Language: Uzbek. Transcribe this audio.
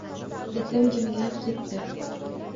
Etim jimirlab ketdi